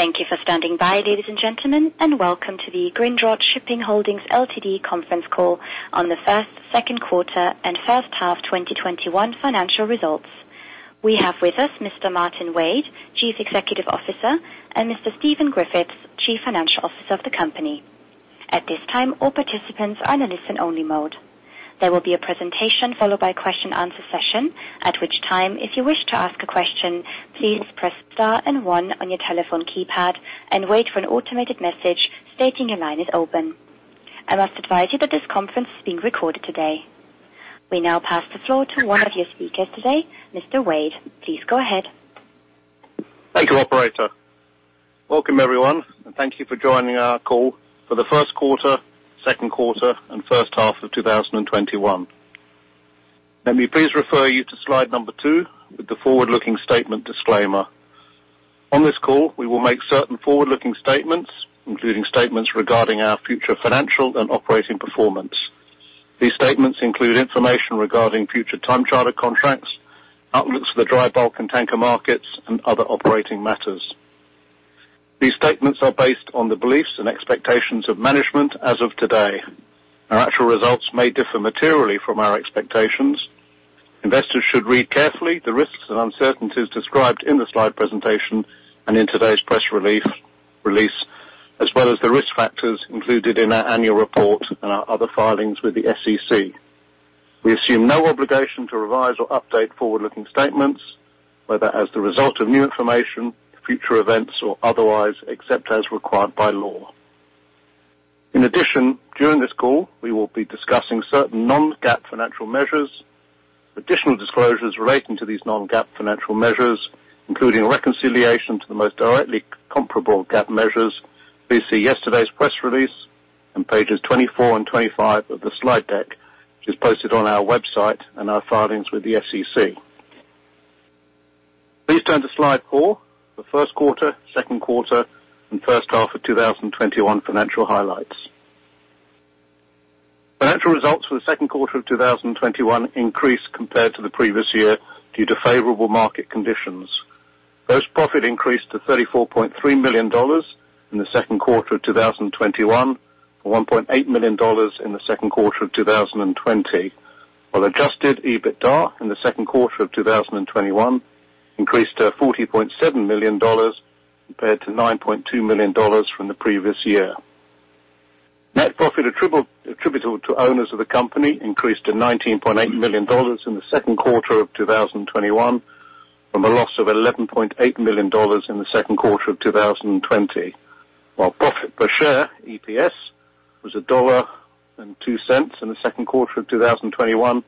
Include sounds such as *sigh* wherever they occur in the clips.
Thank you for standing by, ladies and gentlemen, and welcome to the Grindrod Shipping Holdings Ltd conference call on the first, second quarter and first half 2021 financial results. We have with us Mr. Martyn Wade, Chief Executive Officer, and Mr. Stephen Griffiths, Chief Financial Officer of the company. We now pass the floor to one of your speakers today, Mr. Wade. Please go ahead. Thank you, operator. Welcome everyone, and thank you for joining our call for the first quarter, second quarter, and first half of 2021. Let me please refer you to slide number two with the forward-looking statement disclaimer. On this call, we will make certain forward-looking statements, including statements regarding our future financial and operating performance. These statements include information regarding future time charter contracts, outlooks for the dry bulk and tanker markets, and other operating matters. These statements are based on the beliefs and expectations of management as of today. Our actual results may differ materially from our expectations. Investors should read carefully the risks and uncertainties described in the slide presentation and in today's press release, as well as the risk factors included in our annual report and our other filings with the SEC. We assume no obligation to revise or update forward-looking statements, whether as the result of new information, future events, or otherwise, except as required by law. In addition, during this call, we will be discussing certain non-GAAP financial measures. Additional disclosures relating to these non-GAAP financial measures, including reconciliation to the most directly comparable GAAP measures, please see yesterday's press release and pages 24 and 25 of the slide deck, which is posted on our website and our filings with the SEC. Please turn to slide four, the first quarter, second quarter, and first half of 2021 financial highlights. Financial results for the second quarter of 2021 increased compared to the previous year due to favorable market conditions. Gross profit increased to $34.3 million in the second quarter of 2021, from $1.8 million in the second quarter of 2020. While adjusted EBITDA in the second quarter of 2021 increased to $40.7 million compared to $9.2 million from the previous year. Net profit attributable to owners of the company increased to $19.8 million in the second quarter of 2021 from a loss of $11.8 million in the second quarter of 2020. While profit per share, EPS, was $1.02 in the second quarter of 2021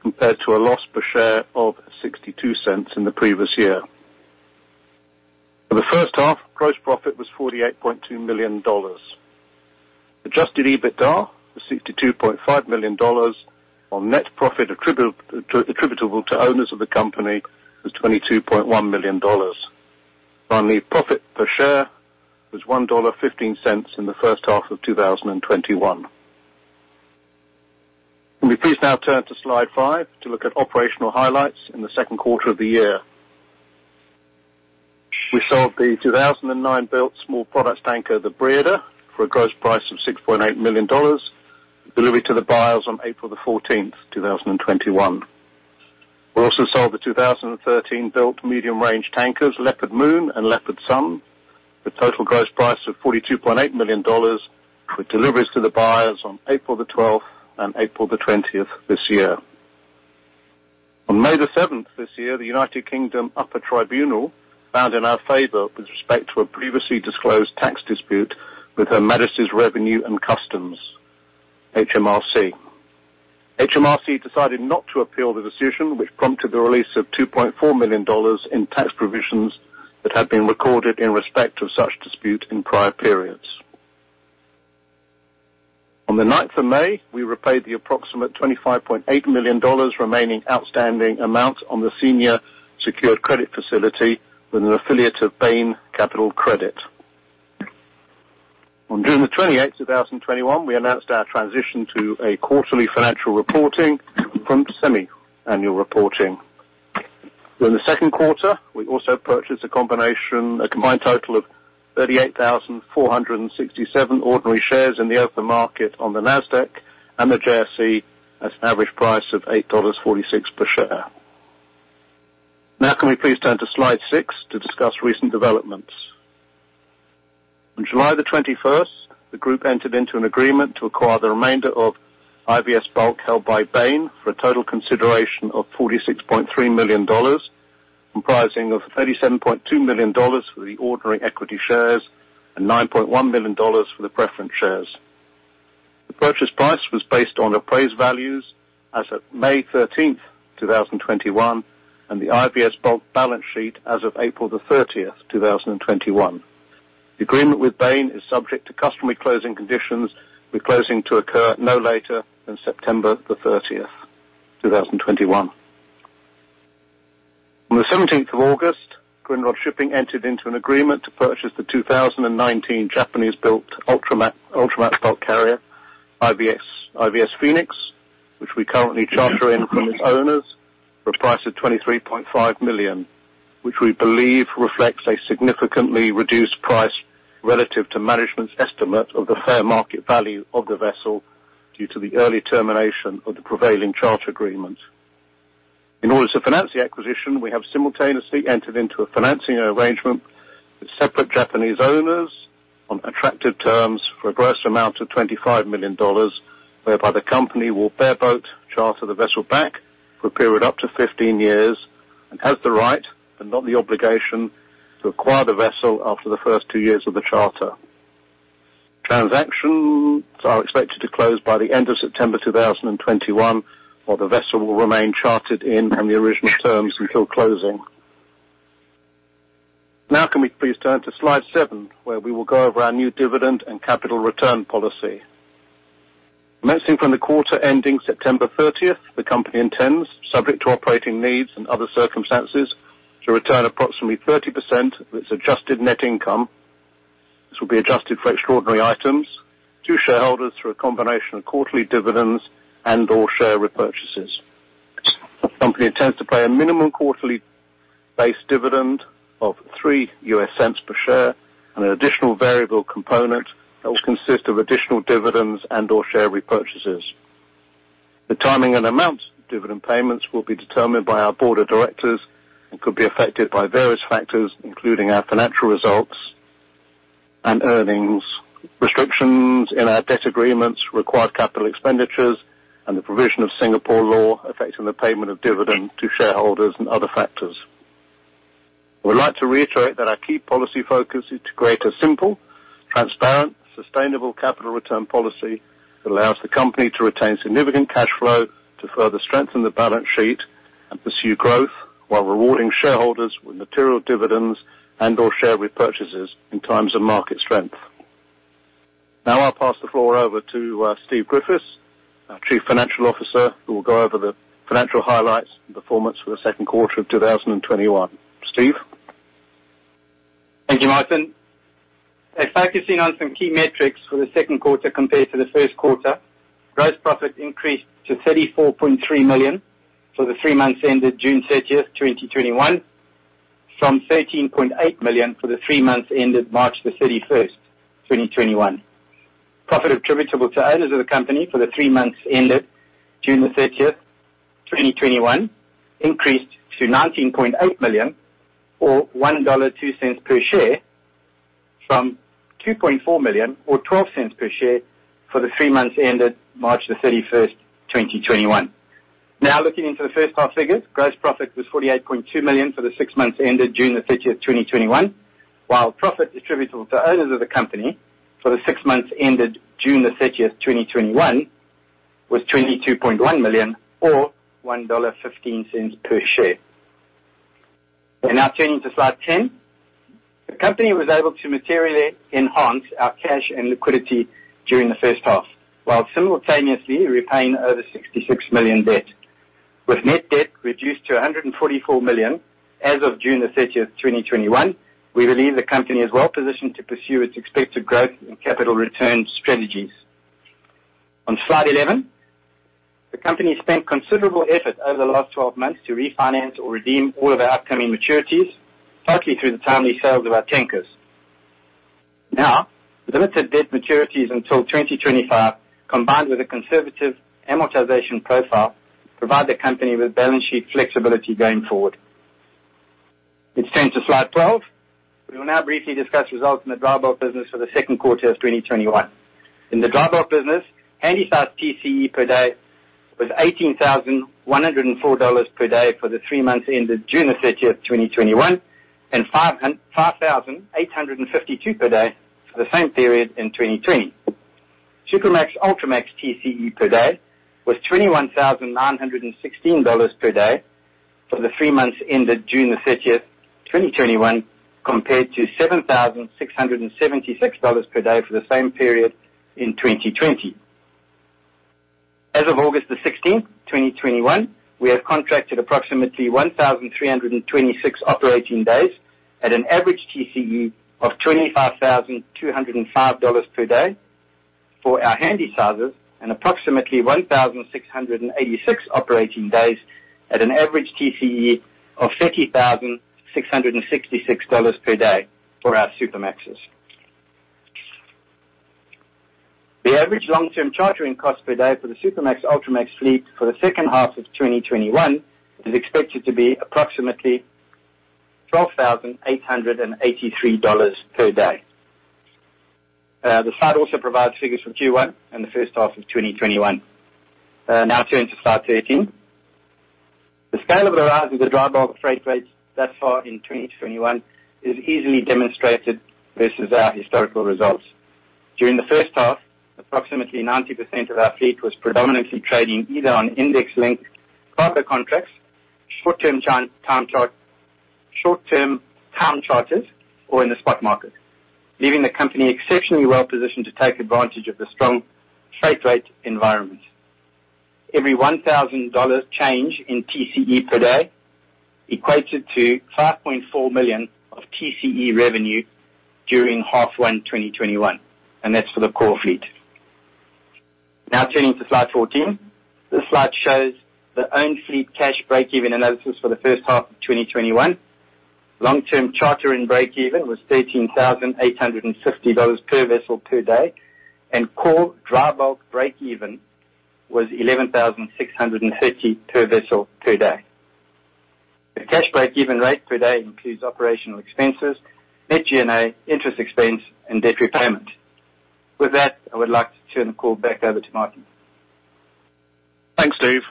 compared to a loss per share of $0.62 in the previous year. For the first half, gross profit was $48.2 million. Adjusted EBITDA was $62.5 million, while net profit attributable to owners of the company was $22.1 million. Finally, profit per share was $1.15 in the first half of 2021. Can we please now turn to slide five to look at operational highlights in the second quarter of the year. We sold the 2009-built small products tanker, the Breede, for a gross price of $6.8 million, delivered to the buyers on April the 14th, 2021. We also sold the 2013-built medium-range tankers, Leopard Moon and Leopard Sun, with total gross price of $42.8 million, with deliveries to the buyers on April the 12th and April the 20th this year. On May the 7th this year, the United Kingdom Upper Tribunal found in our favor with respect to a previously disclosed tax dispute with Her Majesty's Revenue and Customs, HMRC. HMRC decided not to appeal the decision, which prompted the release of $2.4 million in tax provisions that had been recorded in respect of such dispute in prior periods. On the 9th of May, we repaid the approximate $25.8 million remaining outstanding amount on the senior secured credit facility with an affiliate of Bain Capital Credit. On June 28th, 2021, we announced our transition to a quarterly financial reporting from semi-annual reporting. During the second quarter, we also purchased a combined total of 38,467 ordinary shares in the open market on the Nasdaq and the JSE at an average price of $8.46 per share. Can we please turn to slide six to discuss recent developments. On July 21st, the group entered into an agreement to acquire the remainder of IVS Bulk held by Bain for a total consideration of $46.3 million, comprising of $37.2 million for the ordinary equity shares and $9.1 million for the preference shares. The purchase price was based on appraised values as of May 13th, 2021, and the IVS Bulk balance sheet as of April 30th, 2021. The agreement with Bain is subject to customary closing conditions, with closing to occur no later than September 30th, 2021. On the 17th of August, Grindrod Shipping entered into an agreement to purchase the 2019 Japanese-built Ultramax bulk carrier, IVS Phoenix, which we currently charter in from its owners for a price of $23.5 million, which we believe reflects a significantly reduced price relative to management's estimate of the fair market value of the vessel due to the early termination of the prevailing charter agreement. In order to finance the acquisition, we have simultaneously entered into a financing arrangement with separate Japanese owners on attractive terms for a gross amount of $25 million, whereby the company will bareboat charter the vessel back for a period up to 15 years and has the right, but not the obligation, to acquire the vessel after the first two years of the charter. Transactions are expected to close by the end of September 2021, while the vessel will remain chartered in on the original terms until closing. Can we please turn to slide seven, where we will go over our new dividend and capital return policy. Commencing from the quarter ending September 30th, the company intends, subject to operating needs and other circumstances, to return approximately 30% of its adjusted net income. This will be adjusted for extraordinary items to shareholders through a combination of quarterly dividends and/or share repurchases. The company intends to pay a minimum quarterly base dividend of $0.03 per share and an additional variable component that will consist of additional dividends and/or share repurchases. The timing and amount of dividend payments will be determined by our board of directors and could be affected by various factors, including our financial results and earnings, restrictions in our debt agreements, required capital expenditures, and the provision of Singapore law affecting the payment of dividend to shareholders and other factors. We would like to reiterate that our key policy focus is to create a simple, transparent, sustainable capital return policy that allows the company to retain significant cash flow to further strengthen the balance sheet and pursue growth while rewarding shareholders with material dividends and/or share repurchases in times of market strength. Now, I'll pass the floor over to Stephen Griffiths, our Chief Financial Officer, who will go over the financial highlights and performance for the second quarter of 2021. Stephen? Thank you, Martyn. Focusing on some key metrics for the second quarter compared to the first quarter. Gross profit increased to $34.3 million for the three months ended June 30th, 2021, from $13.8 million for the three months ended March 31st, 2021. Profit attributable to owners of the company for the three months ended June 30th, 2021 increased to $19.8 million or $1.02 per share, from $2.4 million or $0.12 per share for the three months ended March 31st, 2021. Now, looking into the first half figures, gross profit was $48.2 million for the six months ended June 30th, 2021, while profit attributable to owners of the company for the six months ended June 30th, 2021, was $22.1 million, or $1.15 per share. Now turning to slide 10. The company was able to materially enhance our cash and liquidity during the first half, while simultaneously repaying over $66 million debt. With net debt reduced to $144 million as of June 30th, 2021, we believe the company is well-positioned to pursue its expected growth and capital return strategies. On slide 11, the company spent considerable effort over the last 12 months to refinance or redeem all of our upcoming maturities, partly through the timely sales of our tankers. Now, limited debt maturities until 2025, combined with a conservative amortization profile, provide the company with balance sheet flexibility going forward. Let's turn to slide 12. We will now briefly discuss results in the dry bulk business for the second quarter of 2021. In the dry bulk business, Handysize TCE per day was $18,104 per day for the three months ended June 30th, 2021, and $5,852 per day for the same period in 2020. Supramax Ultramax TCE per day was $21,916 per day for the three months ended June 30th, 2021, compared to $7,676 per day for the same period in 2020. As of August 16th, 2021, we have contracted approximately 1,326 operating days at an average TCE of $25,205 per day for our Handysizes, and approximately 1,686 operating days at an average TCE of $30,666 per day for our Supramaxes. The average long-term chartering cost per day for the Supramax Ultramax fleet for the second half of 2021 is expected to be approximately $12,883 per day. The slide also provides figures for Q1 and the first half of 2021. Now turning to slide 13. The scale of the rise of the dry bulk freight rates thus far in 2021 is easily demonstrated versus our historical results. During the first half, approximately 90% of our fleet was predominantly trading either on index-linked charter contracts, short-term time charters, or in the spot market, leaving the company exceptionally well positioned to take advantage of the strong freight rate environment. Every $1,000 change in TCE per day equated to $5.4 million of TCE revenue during half one 2021, and that's for the core fleet. Turning to slide 14. This slide shows the own fleet cash breakeven analysis for the first half of 2021. Long-term charter-in breakeven was $13,850 per vessel per day, and core dry bulk breakeven was $11,630 per vessel per day. The cash breakeven rate per day includes Operating Expenses, net G&A, interest expense, and debt repayment. With that, I would like to turn the call back over to Martyn. Thanks, Steve.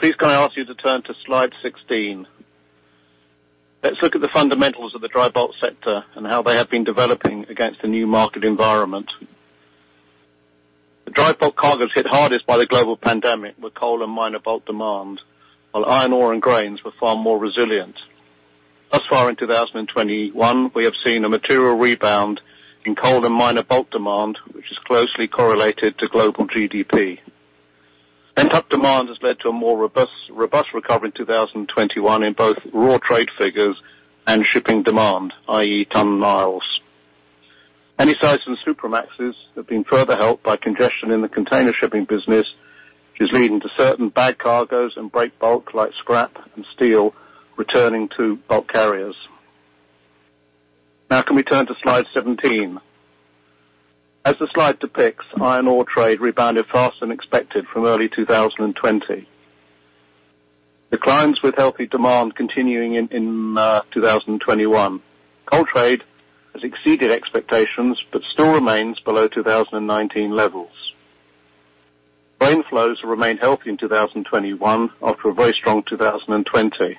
Please can I ask you to turn to slide 16? Let's look at the fundamentals of the drybulk sector and how they have been developing against the new market environment. The drybulk cargoes hit hardest by the global pandemic were coal and minor bulk demand, while iron ore and grains were far more resilient. Thus far in 2021, we have seen a material rebound in coal and minor bulk demand, which is closely correlated to global GDP. Pent-up demand has led to a more robust recovery in 2021 in both raw trade figures and shipping demand, i.e., ton miles. Handysize and Supramaxes have been further helped by congestion in the container shipping business, which is leading to certain bag cargoes and break bulk, like scrap and steel, returning to bulk carriers. Can we turn to slide 17. As the slide depicts, iron ore trade rebounded faster than expected from early 2020. The climbs with healthy demand continuing in 2021. Coal trade has exceeded expectations but still remains below 2019 levels. Grain flows remain healthy in 2021 after a very strong 2020.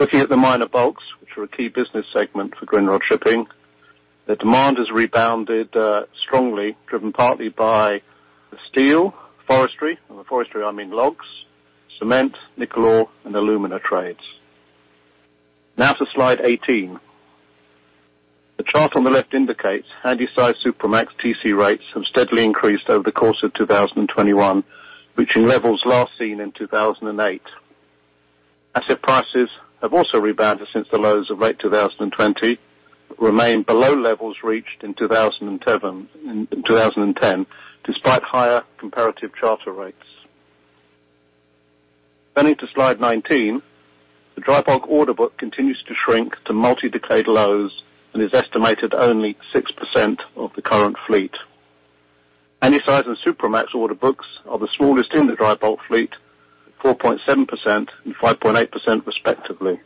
Looking at the minor bulks, which were a key business segment for Grindrod Shipping, the demand has rebounded strongly, driven partly by steel, forestry, I mean logs, cement, nickel ore, and alumina trades. Now to slide 18. The chart on the left indicates Handysize, Supramax TC rates have steadily increased over the course of 2021, reaching levels last seen in 2008. Asset prices have also rebounded since the lows of late 2020, remain below levels reached in 2010, despite higher comparative charter rates. Turning to slide 19, the drybulk order book continues to shrink to multi-decade lows and is estimated only 6% of the current fleet. Handysize and Supramax order books are the smallest in the drybulk fleet, 4.7% and 5.8% respectively.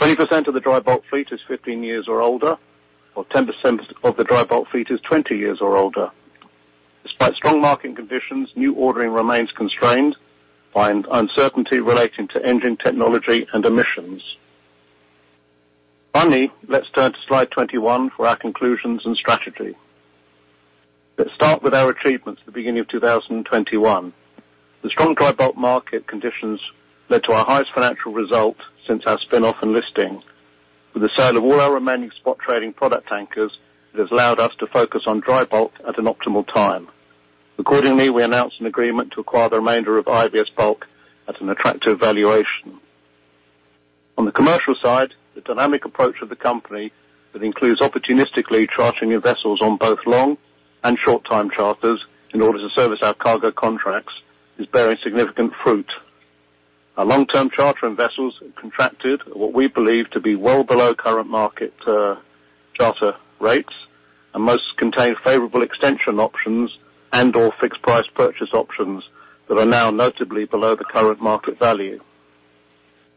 20% of the drybulk fleet is 15 years or older, while 10% of the drybulk fleet is 20 years or older. Despite strong market conditions, new ordering remains constrained by uncertainty relating to engine technology and emissions. Finally, let's turn to slide 21 for our conclusions and strategy. Let's start with our achievements at the beginning of 2021. The strong drybulk market conditions led to our highest financial result since our spinoff and listing. With the sale of all our remaining spot trading product tankers, it has allowed us to focus on drybulk at an optimal time. Accordingly, we announced an agreement to acquire the remainder of IVS Bulk at an attractive valuation. On the commercial side, the dynamic approach of the company that includes opportunistically chartering in vessels on both long and short-time charters in order to service our cargo contracts, is bearing significant fruit. Our long-term charter and vessels contracted at what we believe to be well below current market charter rates, and most contain favorable extension options and/or fixed price purchase options that are now notably below the current market value.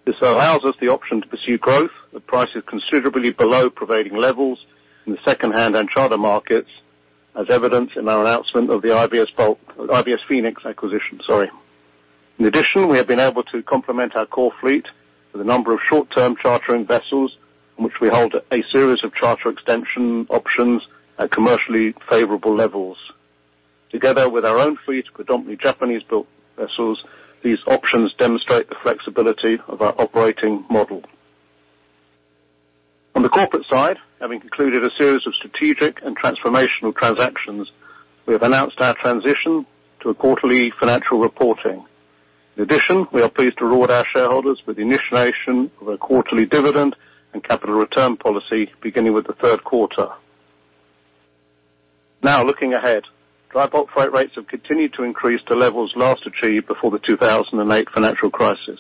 This allows us the option to pursue growth at prices considerably below prevailing levels in the secondhand and charter markets, as evidenced in our announcement of the IVS Phoenix acquisition. Sorry. In addition, we have been able to complement our core fleet with a number of short-term chartering vessels, in which we hold a series of charter extension options at commercially favorable levels. Together with our own fleet, predominantly Japanese-built vessels, these options demonstrate the flexibility of our operating model. On the corporate side, having concluded a series of strategic and transformational transactions, we have announced our transition to a quarterly financial reporting. In addition, we are pleased to reward our shareholders with the initiation of a quarterly dividend and capital return policy beginning with the third quarter. Now, looking ahead. Drybulk freight rates have continued to increase to levels last achieved before the 2008 financial crisis.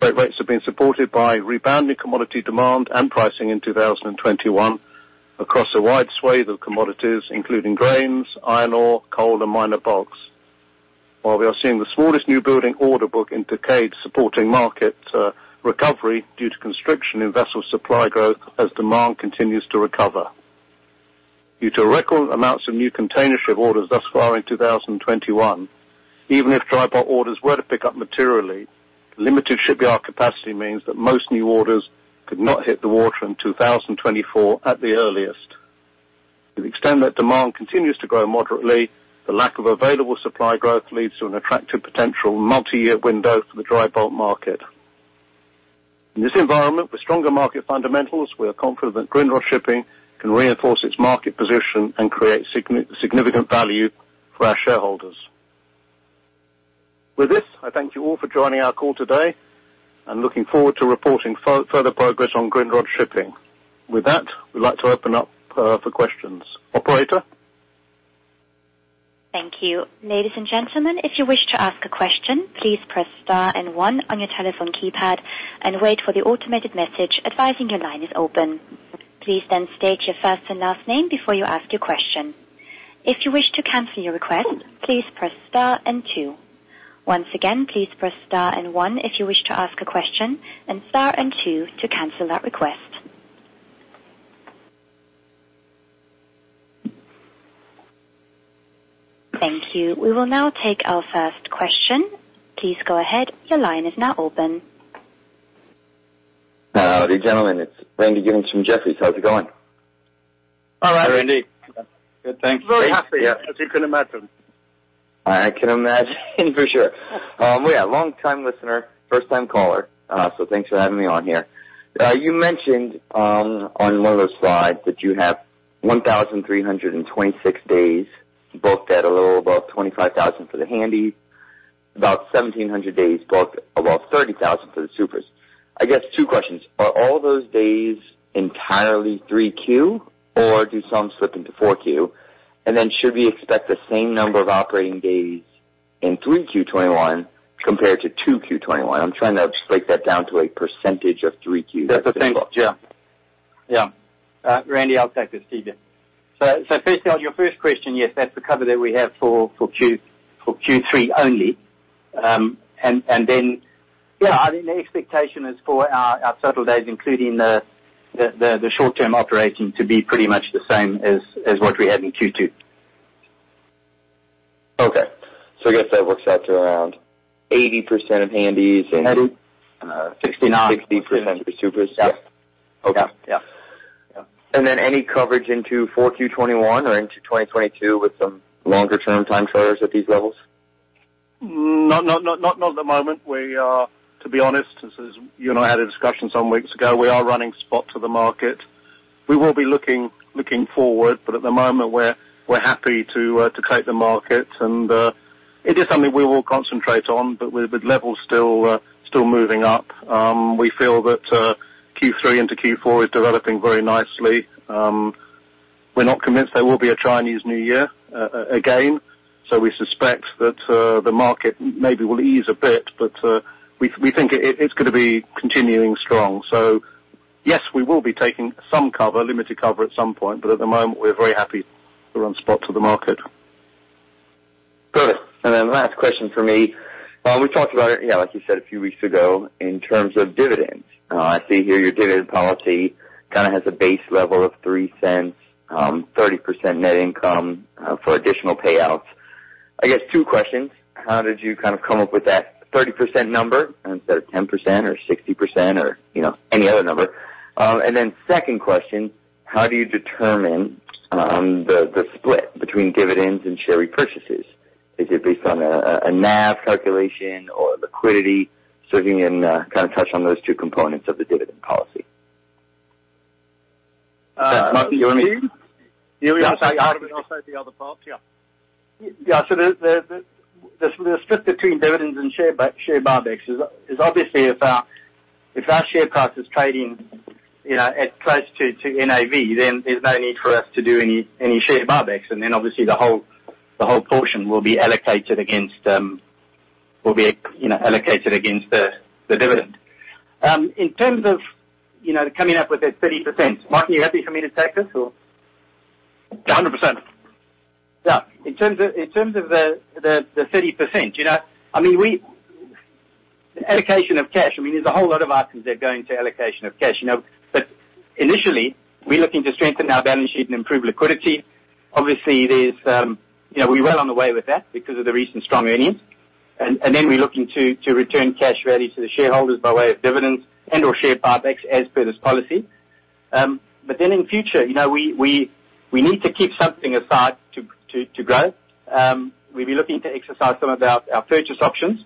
Freight rates have been supported by rebounding commodity demand and pricing in 2021 across a wide swathe of commodities, including grains, iron ore, coal, and minor bulks. While we are seeing the smallest new building order book in decades supporting market recovery due to constriction in vessel supply growth as demand continues to recover. Due to record amounts of new containership orders thus far in 2021, even if dry bulk orders were to pick up materially, limited shipyard capacity means that most new orders could not hit the water in 2024 at the earliest. To the extent that demand continues to grow moderately, the lack of available supply growth leads to an attractive potential multi-year window for the dry bulk market. In this environment, with stronger market fundamentals, we are confident that Grindrod Shipping can reinforce its market position and create significant value for our shareholders. With this, I thank you all for joining our call today. I'm looking forward to reporting further progress on Grindrod Shipping. With that, we'd like to open up for questions. Operator? Thank you. Ladies and gentlemen, if you wish to ask a question, please press star one on your telephone keypad and wait for the automated message advising your line is open. Please then state your first and last name before you ask your question. If you wish to cancel your request, please press star two. Once again, please press star one if you wish to ask a question and star two to cancel that request. Thank you. We will now take our first question. Please go ahead. Your line is now open. Howdy, gentlemen. It's Randy Giveans from Jefferies. How's it going? All right, Randy. Good, thanks. Very happy, as you can imagine. I can imagine for sure. Yeah, long time listener, first time caller. Thanks for having me on here. You mentioned, on one of those slides that you have 1,326 days booked at a little above $25,000 for the Handys, about 1,700 days booked above $30,000 for the Supers. I guess two questions. Are all those days entirely 3Q, or do some slip into 4Q? Then should we expect the same number of operating days in 3Q 2021 compared to 2Q 2021? I'm trying to break that down to a percentage of 3Q that's been booked. Yeah. Randy, I'll take this Steve. Firstly, on your first question, yes, that's the cover that we have for Q3 only. Yeah, I think the expectation is for our total days, including the short-term operating to be pretty much the same as what we had in Q2. Okay. I guess that works out to around 80% of Handys. 30. 60% for Supers. Yeah. Okay. Yeah. Any coverage into 4Q 2021 or into 2022 with some longer-term time charters at these levels? Not at the moment. To be honest, since you and I had a discussion some weeks ago, we are running spot to the market. We will be looking forward. At the moment we're happy to take the market. It is something we will concentrate on. With levels still moving up, we feel that Q3 into Q4 is developing very nicely. We're not convinced there will be a Chinese New Year again. We suspect that the market maybe will ease a bit. We think it's going to be continuing strong. Yes, we will be taking some cover, limited cover at some point. At the moment we're very happy to run spot to the market. Good. The last question for me. We talked about it, like you said, a few weeks ago, in terms of dividends. I see here your dividend policy has a base level of $0.03, 30% net income for additional payouts. I guess two questions. How did you come up with that 30% number instead of 10% or 60% or any other number? Second question, how do you determine the split between dividends and share repurchases? Is it based on a NAV calculation or liquidity? If you can touch on those two components of the dividend policy. Martyn, do you want me. Steve? Yeah, I'm sorry. I can also add the other part, yeah. Yeah, the split between dividends and share buybacks is obviously if our share price is trading at close to NAV, then there's no need for us to do any share buybacks, and then obviously the whole portion will be allocated against the dividend. In terms of coming up with that 30%, Martyn, are you happy for me to take this or? A 100%. Yeah. In terms of the 30%, allocation of cash, there's a whole lot of items that go into allocation of cash. Initially, we're looking to strengthen our balance sheet and improve liquidity. Obviously, we're well on the way with that because of the recent strong earnings. We're looking to return cash ready to the shareholders by way of dividends and/or share buybacks as per this policy. In future, we need to keep something aside to grow. We'll be looking to exercise some of our purchase options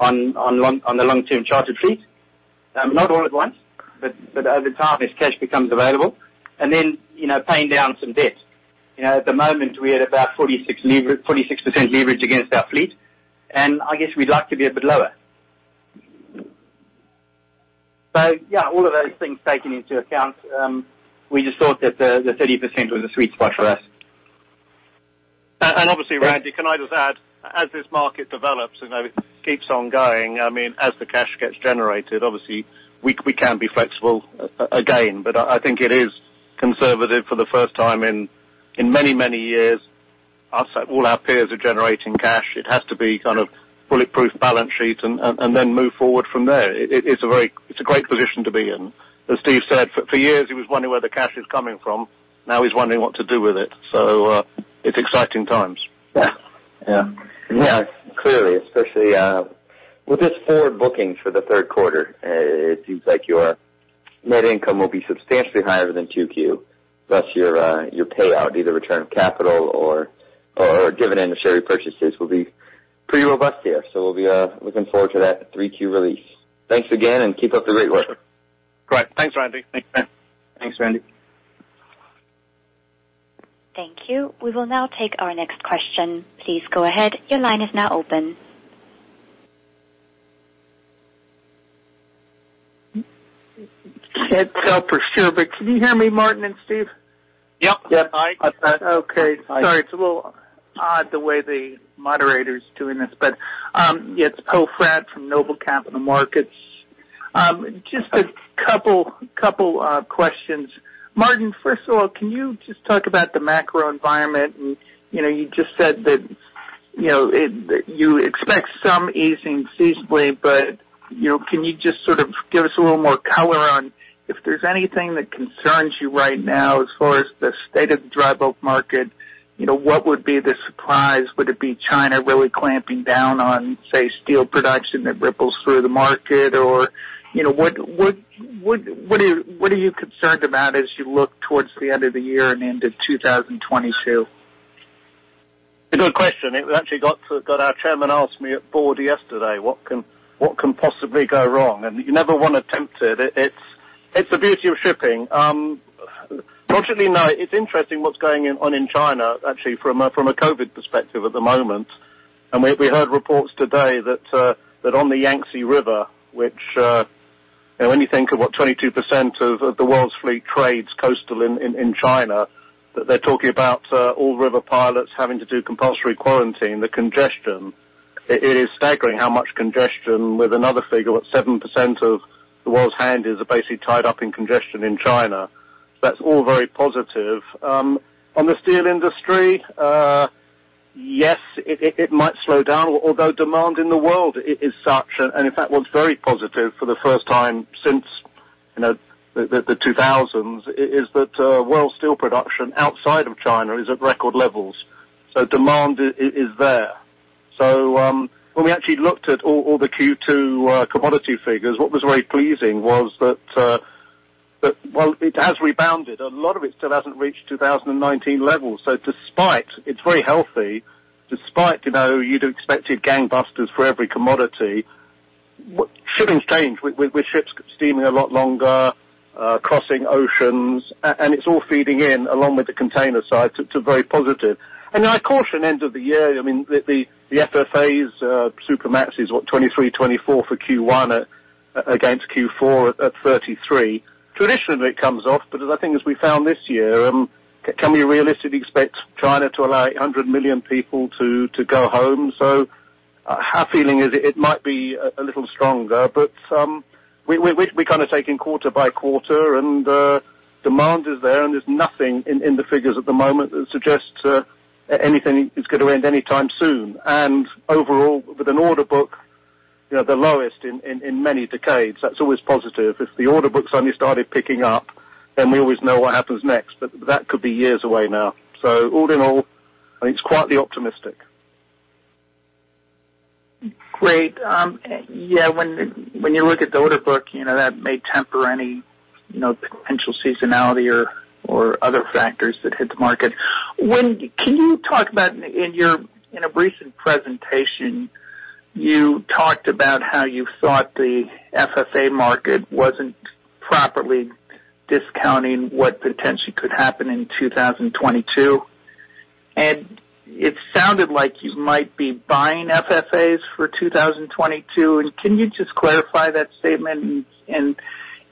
on the long-term chartered fleet. Not all at once, but over time, as cash becomes available. Paying down some debt. At the moment, we had about 46% leverage against our fleet, and I guess we'd like to be a bit lower. All of those things taken into account. We just thought that the 30% was a sweet spot for us. Obviously, Randy, can I just add, as this market develops, it keeps on going. As the cash gets generated, obviously we can be flexible again. I think it is conservative for the first time in many years. All our peers are generating cash. It has to be kind of bulletproof balance sheet and then move forward from there. It's a great position to be in. As Steve said, for years, he was wondering where the cash is coming from. Now he's wondering what to do with it. It's exciting times. Yeah. Yeah. Clearly, especially with this forward booking for the third quarter, net income will be substantially higher than 2Q, thus your payout, either return of capital or dividend or share repurchases, will be pretty robust here. We'll be looking forward to that 3Q release. Thanks again, and keep up the great work. Great. Thanks, Randy. Thanks, man. Thanks, Randy. Thank you. We will now take our next question. Please go ahead. Your line is now open. Can't tell for sure, but can you hear me, Martyn and Stephen? Yep. Yes. Okay. Sorry, it's a little odd the way the moderator's doing this, but it's Poe Fratt from Noble Capital Markets. Just a couple questions. Martyn, first of all, can you just talk about the macro environment and you just said that you expect some easing seasonally, but can you just sort of give us a little more color on if there's anything that concerns you right now as far as the state of the drybulk market? What would be the surprise? Would it be China really clamping down on, say, steel production that ripples through the market? What are you concerned about as you look towards the end of the year and into 2022? A good question. It actually got to that our chairman asked me at board yesterday, what can possibly go wrong? You never want to tempt it. It's the beauty of shipping. Fortunately, no. It's interesting what's going on in China, actually, from a COVID perspective at the moment. We heard reports today that on the Yangtze River, which when you think of what 22% of the world's fleet trades coastal in China, that they're talking about all river pilots having to do compulsory quarantine. The congestion, it is staggering how much congestion with another figure, what, 7% of the world's handies are basically tied up in congestion in China. That's all very positive. On the steel industry, yes, it might slow down, although demand in the world is such, and in fact, what's very positive for the first time since the 2000s is that world steel production outside of China is at record levels. Demand is there. When we actually looked at all the Q2 commodity figures, what was very pleasing was that while it has rebounded, a lot of it still hasn't reached 2019 levels. Despite it's very healthy, despite you'd have expected gangbusters for every commodity, shipping's changed, with ships steaming a lot longer, crossing oceans, and it's all feeding in along with the container side to very positive. I caution end of the year, I mean, the FFAs, Supramax is what, $23, $24 for Q1 against Q4 at $33. Traditionally it comes off, but as I think as we found this year, can we realistically expect China to allow 100 million people to go home? Our feeling is it might be a little stronger. We're kind of taking quarter by quarter, and demand is there, and there's nothing in the figures at the moment that suggests anything is going to end anytime soon. Overall, with an order book the lowest in many decades, that's always positive. If the order books only started picking up, then we always know what happens next. That could be years away now. All in all, it's quietly optimistic. Great. Yeah, when you look at the order book, that may temper any potential seasonality or other factors that hit the market. Can you talk about in a recent presentation, you talked about how you thought the FFA market wasn't properly discounting what potentially could happen in 2022. It sounded like you might be buying FFAs for 2022. Can you just clarify that statement?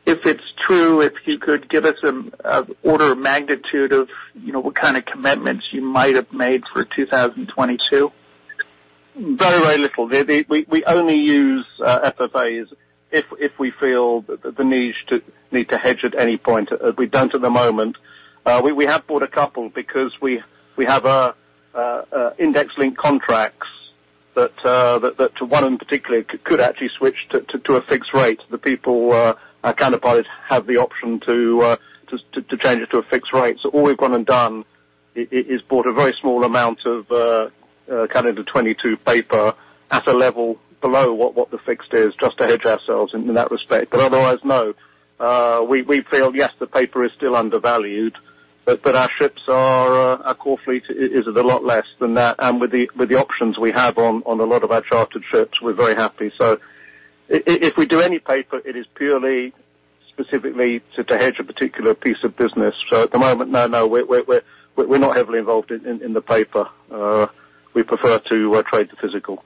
If it's true, if you could give us an order of magnitude of what kind of commitments you might have made for 2022. Very little. We only use FFAs if we feel the need to hedge at any point. We don't at the moment. We have bought a couple because we have index-link contracts that one in particular could actually switch to a fixed rate. The people, our counterparty have the option to change it to a fixed rate. All we've gone and done is bought a very small amount of kind of the 22 paper at a level below what the fixed is, just to hedge ourselves in that respect. Otherwise, no. We feel, yes, the paper is still undervalued, but our core fleet is at a lot less than that. With the options we have on a lot of our chartered ships, we're very happy. If we do any paper, it is purely specifically to hedge a particular piece of business. At the moment, no, we're not heavily involved in the paper. We prefer to trade the physical.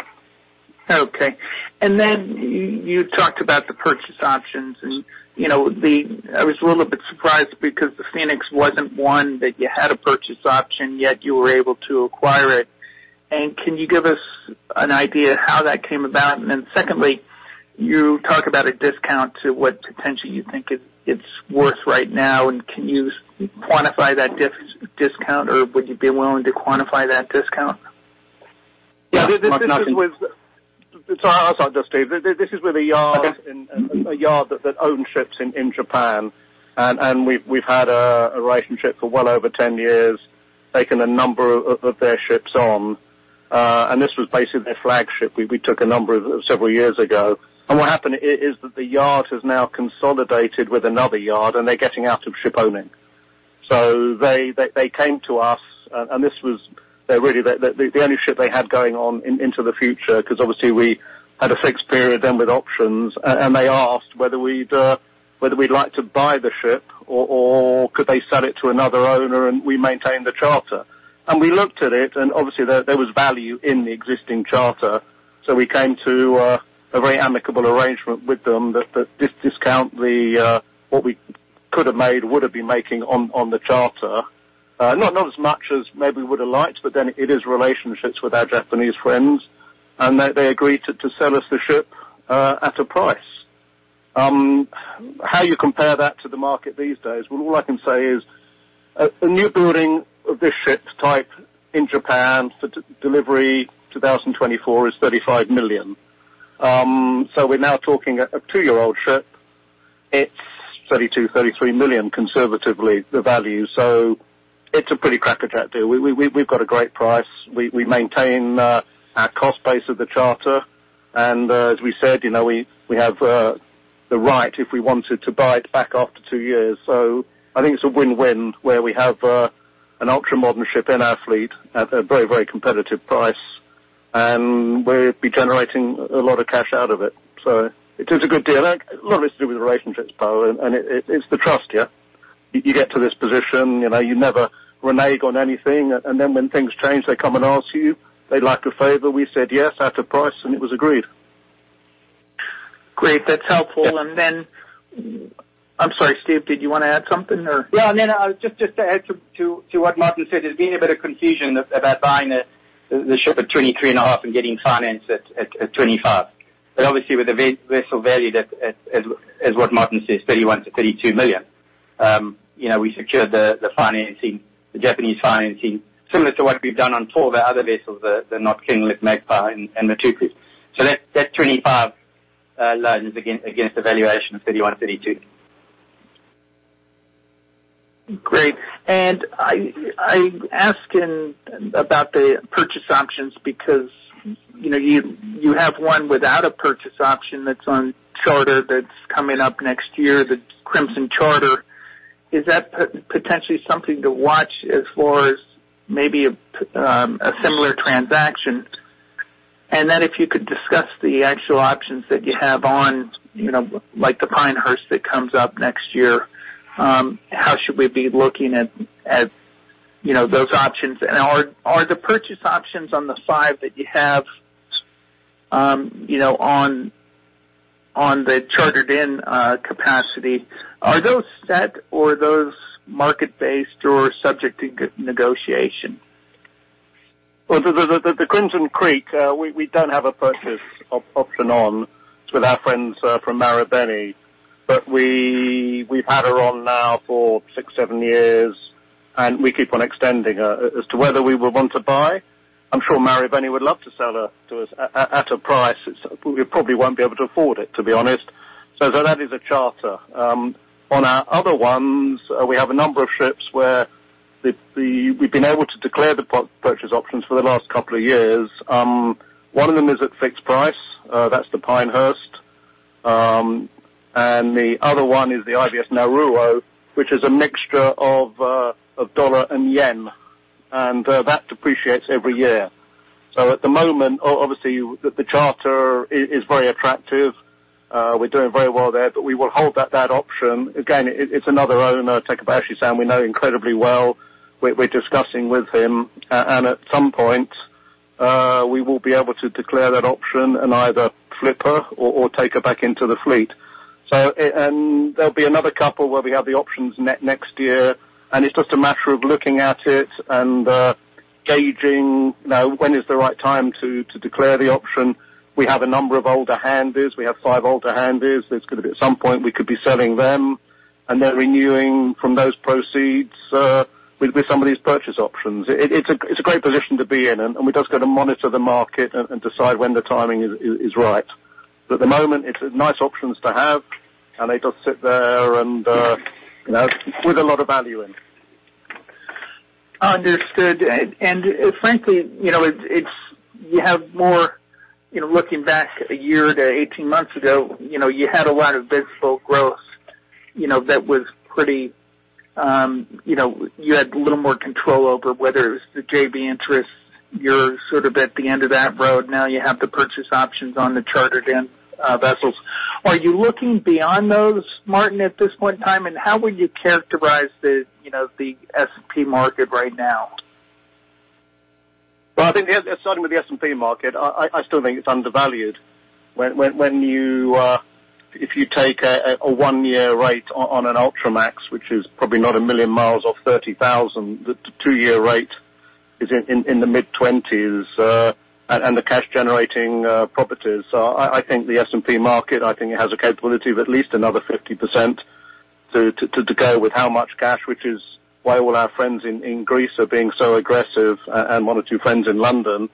Okay. Then you talked about the purchase options, and I was a little bit surprised because the Phoenix wasn't one that you had a purchase option, yet you were able to acquire it. Can you give us an idea how that came about? Then secondly, you talk about a discount to what potentially you think it's worth right now, and can you quantify that discount, or would you be willing to quantify that discount? Yeah. Steve. This is with a yard- Okay. A yard that owns ships in Japan. We've had a relationship for well over 10 years, taken a number of their ships on, and this was basically their flagship. We took a number several years ago. What happened is that the yard has now consolidated with another yard, and they're getting out of shipowning. They came to us, and this was really the only ship they had going on into the future, because obviously we had a fixed period then with options, and they asked whether we'd like to buy the ship or could they sell it to another owner and we maintain the charter. We looked at it, and obviously there was value in the existing charter, so we came to a very amicable arrangement with them that this discount, what we could've made, would've been making on the charter. Not as much as maybe we would've liked, but then it is relationships with our Japanese friends, and they agreed to sell us the ship at a price. How you compare that to the market these days, well, all I can say is, a new building of this ship's type in Japan for delivery 2024 is $35 million. We're now talking a two-year-old ship. It's $32 million-$33 million, conservatively, the value. It's a pretty crackerjack deal. We've got a great price. We maintain our cost base of the charter. As we said, we have the right, if we wanted, to buy it back after two years. I think it's a win-win, where we have an ultramodern ship in our fleet at a very competitive price, and we'll be generating a lot of cash out of it. It is a good deal. A lot of it's to do with relationships, Poe, and it's the trust, yeah. You get to this position, you never renege on anything, and then when things change, they come and ask you. They'd like a favor. We said yes, at a price, and it was agreed. Great. That's helpful. I'm sorry, Steve, did you want to add something, or? No, just to add to what Martyn said. There's been a bit of confusion about buying the ship at $23.5 And getting financed at $25 million. Obviously, with the vessel valued at, as what Martyn says, $31 million-$32 million, we secured the financing, the Japanese financing, similar to what we've done on our other vessels, the Knot, Kinglet, Magpie, and the. *audio distortion* That $25 million loans against a valuation of $31 million, $32 million. Great. I'm asking about the purchase options because you have one without a purchase option that's on charter that's coming up next year, the Crimson charter. Is that potentially something to watch as far as maybe a similar transaction? If you could discuss the actual options that you have on, like the Pinehurst that comes up next year, how should we be looking at those options? Are the purchase options on the five that you have on the chartered-in capacity, are those set or are those market-based or subject to negotiation? Well, the IVS Crimson Creek, we don't have a purchase option on with our friends from Marubeni. We've had her on now for six, seven years, and we keep on extending her. As to whether we would want to buy, I'm sure Marubeni would love to sell her to us at a price. We probably won't be able to afford it, to be honest. That is a charter. On our other ones, we have a number of ships where we've been able to declare the purchase options for the last couple of years. One of them is at fixed price. That's the IVS Pinehurst. The other one is the IVS Naruo, which is a mixture of dollar and yen. That depreciates every year. At the moment, obviously, the charter is very attractive. We're doing very well there, but we will hold that option. It's another owner, Takeuchi-san, we know incredibly well. We're discussing with him, and at some point, we will be able to declare that option and either flip her or take her back into the fleet. There'll be another couple where we have the options next year, and it's just a matter of looking at it and gauging when is the right time to declare the option. We have a number of older Handys. We have five older Handys. At some point, we could be selling them and then renewing from those proceeds with some of these purchase options. It's a great position to be in, and we've just got to monitor the market and decide when the timing is right. At the moment, it's nice options to have, and they just sit there and with a lot of value in. Understood. Frankly, you have more, looking back a year to 18 months ago, you had a lot of vessel growth that was pretty, you had a little more control over whether it was the JV interests. You're sort of at the end of that road now. You have the purchase options on the chartered-in vessels. Are you looking beyond those, Martyn, at this point in time, and how would you characterize the S&P market right now? Starting with the S&P market, I still think it's undervalued. If you take a ona-year rate on an Ultramax, which is probably not a million miles off $30,000, the two-year rate is in the mid-20s, and the cash-generating properties. I think the S&P market, I think it has a capability of at least another 50% to go with how much cash, which is why all our friends in Greece are being so aggressive, and one or two friends in London.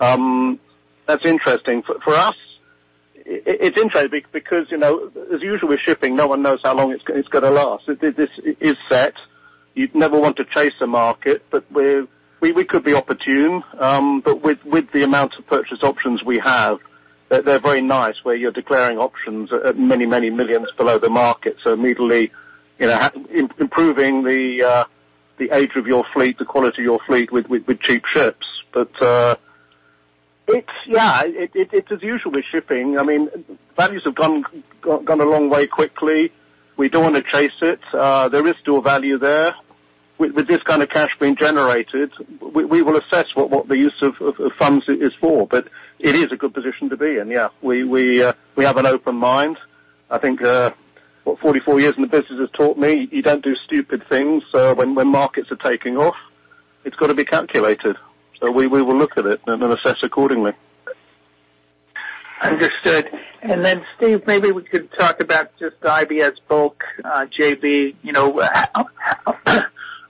That's interesting. For us, it's interesting because, as usual with shipping, no one knows how long it's going to last. This is set. You'd never want to chase a market, but we could be opportune. With the amount of purchase options we have, they're very nice, where you're declaring options at many millions below the market. Immediately, improving the age of your fleet, the quality of your fleet with cheap ships. It's as usual with shipping. Values have gone a long way quickly. We don't want to chase it. There is still value there. With this kind of cash being generated, we will assess what the use of funds is for, but it is a good position to be in. Yeah. We have an open mind. I think what 44 years in the business has taught me, you don't do stupid things when markets are taking off. It's got to be calculated. We will look at it and then assess accordingly. Understood. Stephen, maybe we could talk about just the IVS Bulk JV.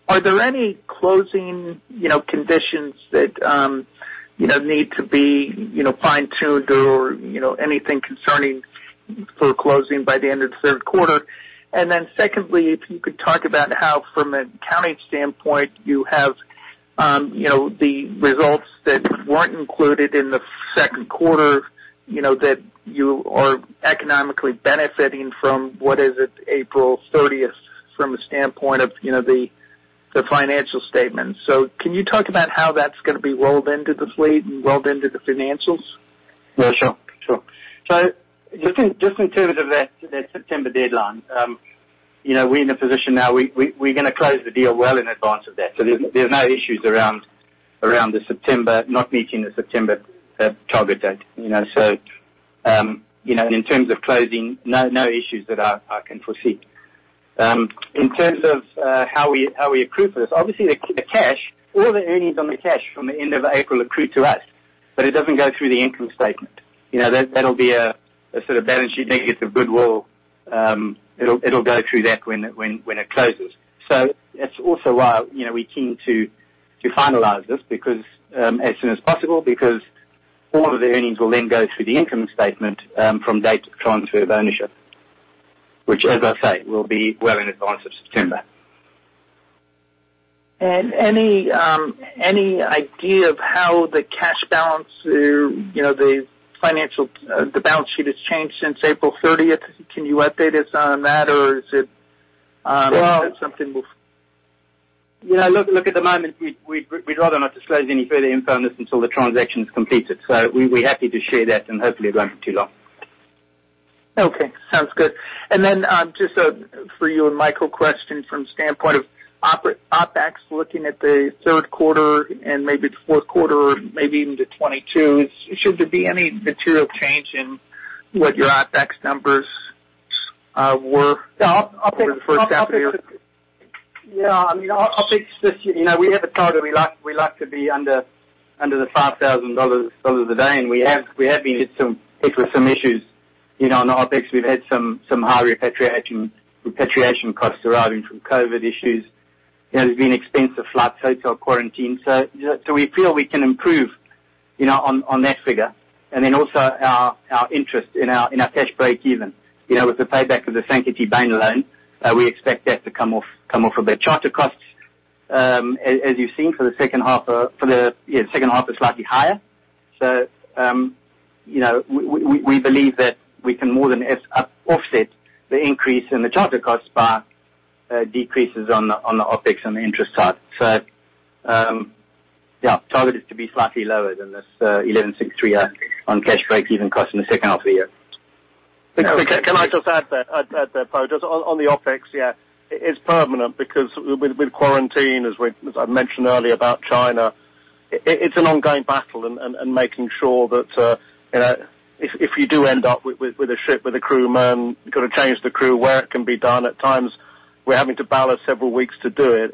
Are there any closing conditions that need to be fine-tuned or anything concerning for closing by the end of the third quarter? Secondly, if you could talk about how, from an accounting standpoint, you have the results that weren't included in the second quarter, that you are economically benefiting from, what is it, April 30th from a standpoint of the financial statement. Can you talk about how that's going to be rolled into the fleet and rolled into the financials? Yeah, sure. Just in terms of that September deadline. We're in a position now, we're going to close the deal well in advance of that. There's no issues around not meeting the September target date. In terms of closing, no issues that I can foresee. In terms of how we accrue for this, obviously the cash, all the earnings on the cash from the end of April accrue to us, but it doesn't go through the income statement. That'll be a sort of balance sheet thing. It's a goodwill. It'll go through that when it closes. That's also why we're keen to finalize this as soon as possible, because all of the earnings will then go through the income statement from date of transfer of ownership, which as I say, will be well in advance of September. Any idea of how the cash balance or the balance sheet has changed since April 30th? Can you update us on that or is it something? Look, at the moment, we'd rather not disclose any further info on this until the transaction's completed. We're happy to share that and hopefully it won't be too long. Okay, sounds good. Just a for you and Michael question from standpoint of OpEx, looking at the third quarter and maybe the fourth quarter, maybe even to 2022. Should there be any material change in what your OpEx numbers were for the first half of the year? We have a target. We like to be under the $5,000 a day and we have been hit with some issues. On the OpEx, we've had some high repatriation costs arising from COVID issues. There's been expensive flights, hotel quarantine. We feel we can improve on that figure. Also our interest in our cash break even. With the payback of the Sankaty Bank loan, we expect that to come off a bit. Charter costs, as you've seen for the second half are slightly higher. We believe that we can more than offset the increase in the charter costs by decreases on the OpEx and the interest side. Target is to be slightly lower than this $1,163 on cash break even cost in the second half of the year. Can I just add there, Poe, just on the OpEx, yeah. It's permanent because with quarantine, as I mentioned earlier about China, it's an ongoing battle and making sure that if you do end up with a ship with a crew man, you've got to change the crew where it can be done. At times, we're having to ballast several weeks to do it.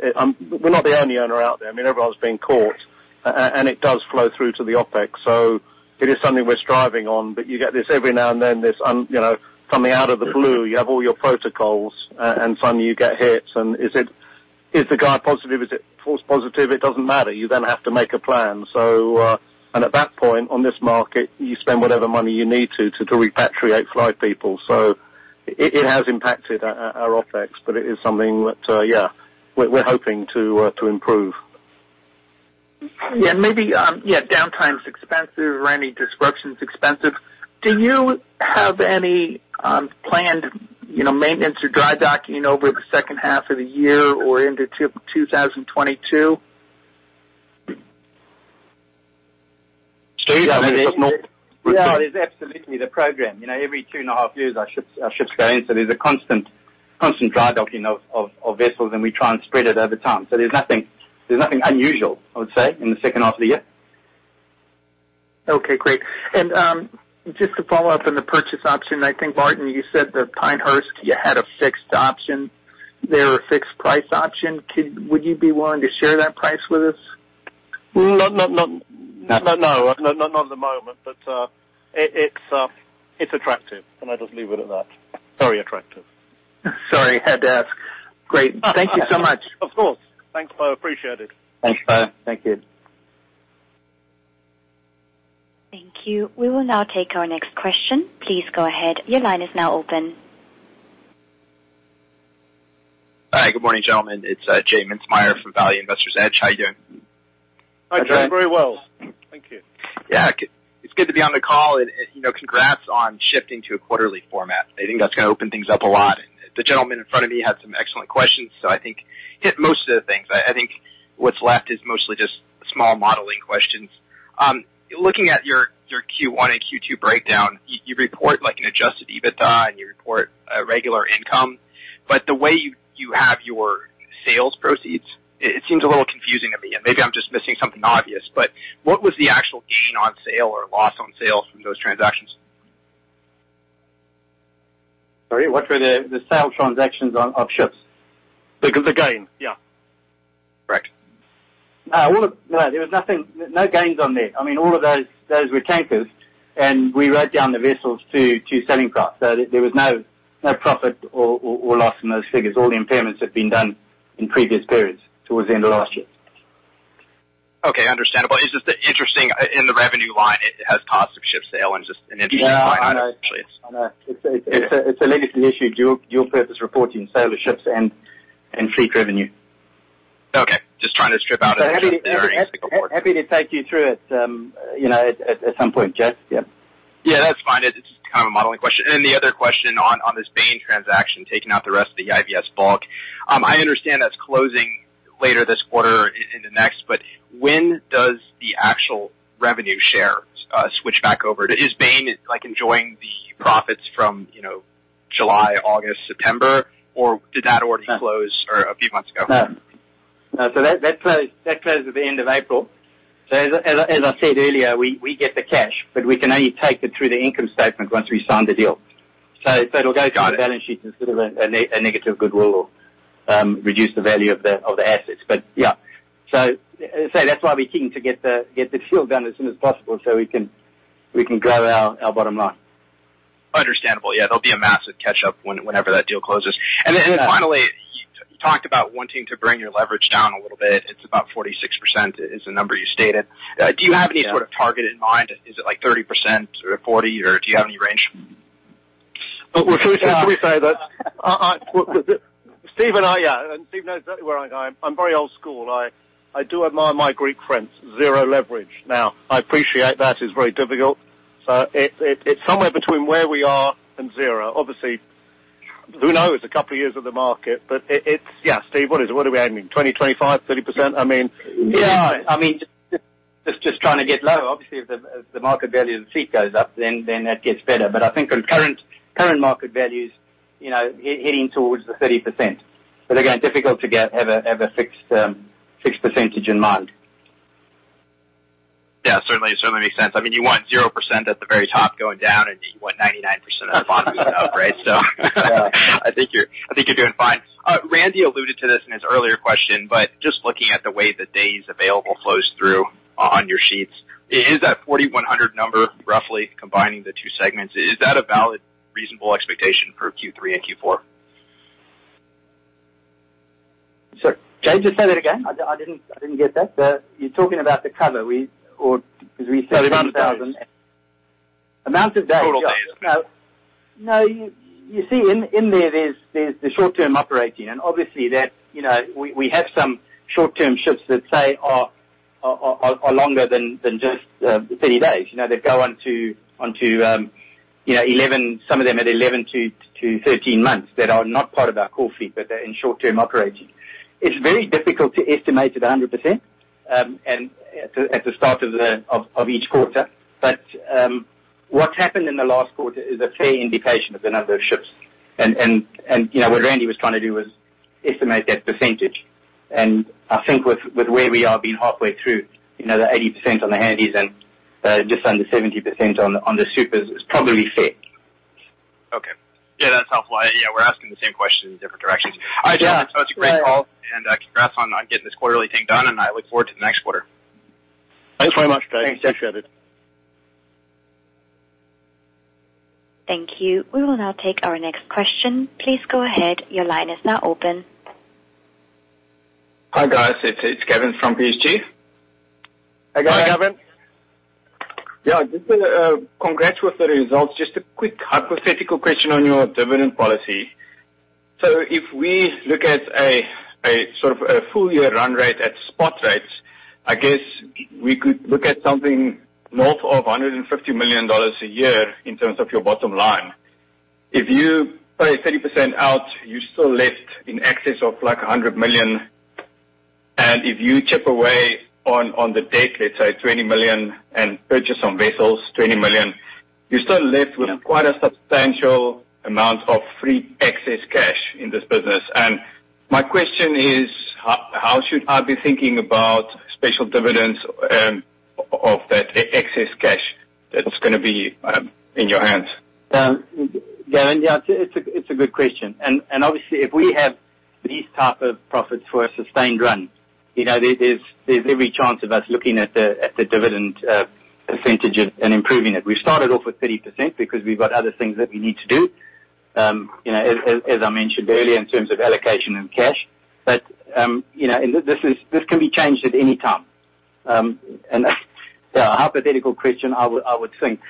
We're not the only owner out there. Everyone's been caught. It does flow through to the OpEx, so it is something we're striving on. You get this every now and then, this coming out of the blue, you have all your protocols and suddenly you get hit. Is the guy positive? Is it false positive? It doesn't matter. You then have to make a plan. At that point on this market, you spend whatever money you need to repatriate, fly people. It has impacted our OpEx, but it is something that we're hoping to improve. Yeah. Downtime's expensive or any disruption's expensive. Do you have any planned maintenance or dry docking over the second half of the year or into 2022? Steve? Yeah, there's absolutely the program. Every two and a half years our ships go in. There's a constant dry docking of vessels, and we try and spread it over time. There's nothing unusual, I would say, in the second half of the year. Okay, great. Just to follow up on the purchase option, I think Martyn, you said that Pinehurst, you had a fixed option there, a fixed price option. Would you be willing to share that price with us? No, not at the moment, but it's attractive and I'll just leave it at that. Very attractive. Sorry, had to ask. Great. Thank you so much. Of course. Thanks, Poe. Appreciate it. Thanks, Poe. Thank you Thank you. We will now take our next question. Please go ahead. Your line is now open. Hi, good morning, gentlemen. It's J. Mintzmyer from Value Investor's Edge. How you doing? Hi, J. I'm doing very well. Thank you. Yeah. It's good to be on the call, and congrats on shifting to a quarterly format. I think that's going to open things up a lot. The gentleman in front of me had some excellent questions, so I think hit most of the things. I think what's left is mostly just small modeling questions. Looking at your Q1 and Q2 breakdown, you report an adjusted EBITDA and you report a regular income. The way you have your sales proceeds, it seems a little confusing to me, and maybe I'm just missing something obvious, but what was the actual gain on sale or loss on sales from those transactions? Sorry, what were the sale transactions on, of ships? The gain. Yeah. Correct. There was nothing, no gains on there. All of those were tankers, and we wrote down the vessels to selling price. There was no profit or loss from those figures. All the impairments have been done in previous periods towards the end of last year. Okay, understandable. It's just interesting in the revenue line, it has positive ship sale and just an interesting line item, actually. Yeah, I know. It's a legacy issue, dual-purpose reporting, sale of ships, and fleet revenue. Okay. Just trying to strip out and understand the earnings report. Happy to take you through it at some point. J? Yeah. Yeah, that's fine. It's just a modeling question. The other question on this Bain transaction, taking out the rest of the IVS Bulk, I understand that's closing later this quarter into next, but when does the actual revenue share switch back over? Is Bain enjoying the profits from July, August, September, or did that already close a few months ago? No. That closed at the end of April. As I said earlier, we get the cash, but we can only take it through the income statement once we sign the deal. It'll go to. Got it. our balance sheet as sort of a negative goodwill or reduce the value of the assets. yeah. As I say, that's why we're keen to get the deal done as soon as possible so we can grow our bottom line. Understandable. Yeah, there'll be a massive catch-up whenever that deal closes. Finally, you talked about wanting to bring your leverage down a little bit. It's about 46%, is the number you stated. Do you have any sort of target in mind? Is it 30% or 40% or do you have any range? Can we say that, Steve and I. Steve knows exactly where I go. I'm very old school. I do admire my Greek friends. Zero leverage. I appreciate that is very difficult. It's somewhere between where we are and zero. Who knows? A couple of years of the market, but it's, Steve, what is it? What are we aiming, 20%, 25%, 30%? I mean. Yeah. Just trying to get lower. Obviously, if the market value of the fleet goes up, then that gets better. I think on current market values, hitting towards the 30%. Again, difficult to have a fixed percentage in mind. Yeah, certainly makes sense. You want 0% at the very top going down, and you want 99% at the bottom going up, right? I think you're doing fine. Randy alluded to this in his earlier question, just looking at the way the days available flows through on your sheets. Is that 4,100 number roughly combining the two segments? Is that a valid, reasonable expectation for Q3 and Q4? Sorry, J, just say that again. I didn't get that. You're talking about the cover. The amount of days amount of days. Total days. No. You see, in there's the short-term operating, obviously, we have some short-term ships that, say, are longer than just 30 days. They go on to some of them at 11-13 months that are not part of our core fleet, they're in short-term operating. It's very difficult to estimate at 100% at the start of each quarter. What's happened in the last quarter is a fair indication of the number of ships. What Randy was trying to do was estimate that percentage. I think with where we are being halfway through, the 80% on the Handys and just under 70% on the Supers is probably fair. Okay. Yeah, that is helpful. We are asking the same questions in different directions. Yeah. Great. Gentlemen, it's a great call, and congrats on getting this quarterly thing done, and I look forward to the next quarter. Thanks very much, J. Appreciate it. Thank you. We will now take our next question. Please go ahead. Your line is now open. Hi, guys. It's Gavin from PSG. Hi, Gavin. Hi. Yeah. Just congrats with the results. Just a quick hypothetical question on your dividend policy. If we look at a sort of a full year run rate at spot rates, I guess we could look at something north of $150 million a year in terms of your bottom line. If you pay 30% out, you're still left in excess of like $100 million, and if you chip away on the debt, let's say $20 million and purchase some vessels, $20 million. You're still left with quite a substantial amount of free excess cash in this business. My question is, how should I be thinking about special dividends of that excess cash that's going to be in your hands? Yeah, Gavin. It's a good question. Obviously, if we have these type of profits for a sustained run, there's every chance of us looking at the dividend percentages and improving it. We've started off with 30% because we've got other things that we need to do. As I mentioned earlier, in terms of allocation and cash, but this can be changed at any time. A hypothetical question, I would think,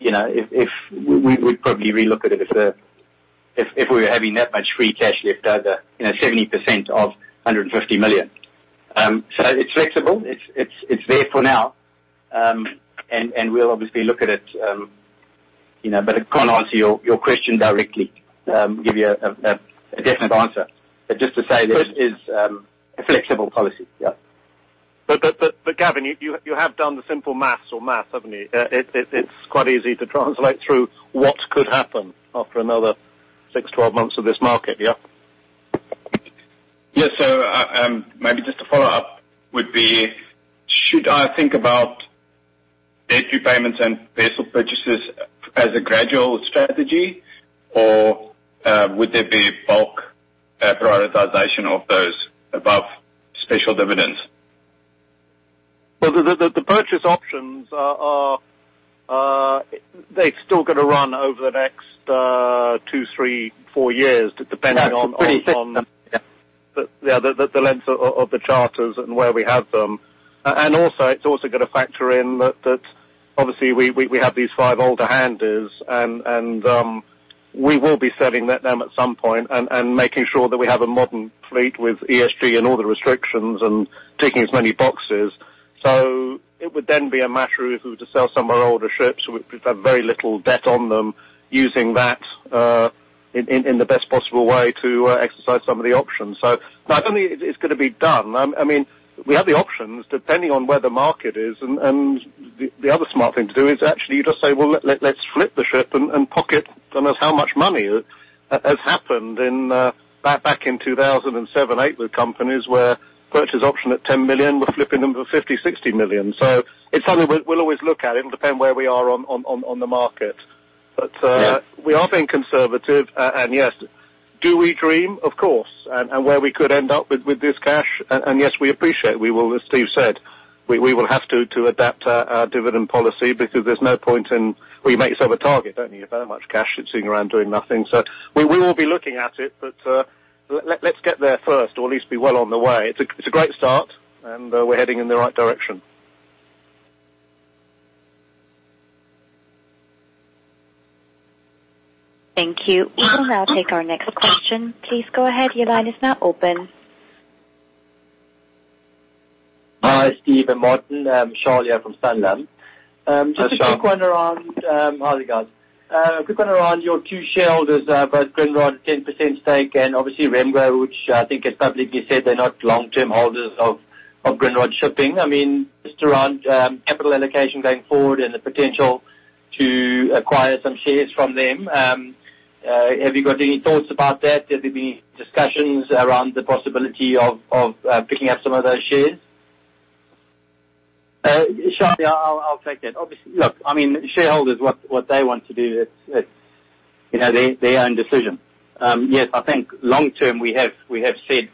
we would probably relook at it if we were having that much free cash lift over, 70% of $150 million. It's flexible. It's there for now. We'll obviously look at it. I can't answer your question directly, give you a definite answer. Just to say that it is a flexible policy. Yeah. Gavin, you have done the simple maths or math, haven't you? It's quite easy to translate through what could happen after another six, 12 months of this market. Yeah. Yes. Maybe just a follow-up would be, should I think about debt repayments and vessel purchases as a gradual strategy, or would there be bulk prioritization of those above special dividends? Well, the purchase options are, they're still going to run over the next two, three, four years, depending on. That's pretty fixed, isn't it? Yeah. The length of the charters and where we have them. Also, it's also going to factor in that obviously we have these five older handys and we will be selling them at some point and making sure that we have a modern fleet with ESG and all the restrictions and ticking as many boxes. It would then be a matter of if we were to sell some of our older ships, we'd have very little debt on them, using that in the best possible way to exercise some of the options. Not only it's going to be done, we have the options, depending on where the market is. The other smart thing to do is actually you just say, "Well, let's flip the ship and pocket don't know how much money." As happened back in 2007, 2008 with companies where purchase option at $10 million, we're flipping them for $50 million, $60 million. It's something we'll always look at. It'll depend where we are on the market. Yeah We are being conservative. Yes, do we dream? Of course. Where we could end up with this cash, and yes, we appreciate, as Steve said, we will have to adapt our dividend policy because there's no point in we make over target, don't need that much cash sitting around doing nothing. We will be looking at it. Let's get there first or at least be well on the way. It's a great start and we're heading in the right direction. Thank you. We will now take our next question. Please go ahead. Your line is now open. Hi, Steve and Martyn. Charlie from Sanlam. Hi, Charlie. Just a quick one around, hi guys. A quick one around your two shareholders, both Grindrod, 10% stake, and obviously Remgro, which I think has publicly said they're not long-term holders of Grindrod Shipping. Just around capital allocation going forward and the potential to acquire some shares from them. Have you got any thoughts about that? Have there been discussions around the possibility of picking up some of those shares? Charlie, I'll take that. Obviously, look, shareholders, what they want to do, it's their own decision. Yes, I think long-term, we have said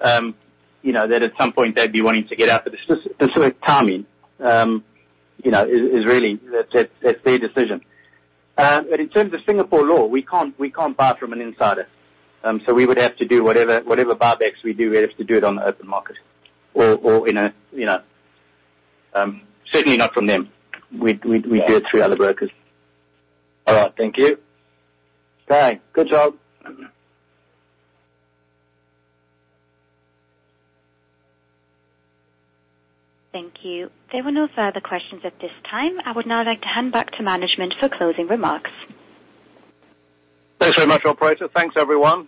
that at some point they'd be wanting to get out, but the specific timing is really, that's their decision. In terms of Singapore law, we can't buy from an insider. We would have to do whatever buybacks we do, we have to do it on the open market. Certainly not from them. We'd do it through other brokers. All right. Thank you. All right. Good chat. Thank you. There were no further questions at this time. I would now like to hand back to management for closing remarks. Thanks very much, operator. Thanks, everyone.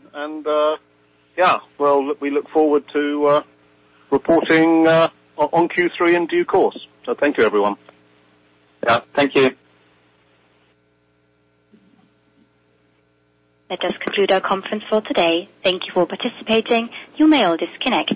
Yeah. Well, we look forward to reporting on Q3 in due course. Thank you, everyone. Yeah. Thank you. That does conclude our conference for today. Thank you for participating. You may all disconnect.